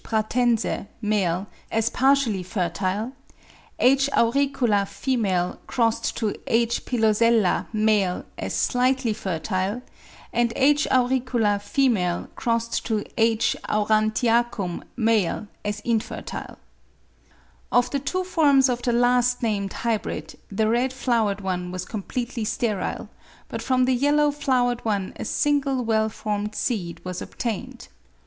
pratense $ as partially fertile ; H. Auricula $ x H. Pilosella $ as slightly fertile, and H. Auricula $ x H. aurantiacum $ as infertile. Of the two forms of the last named hybrid, the red flowered one was completely sterile, but from the yellow flowered one a single well formed seed was obtained.